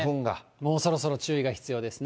もうそろそろ、注意が必要ですね。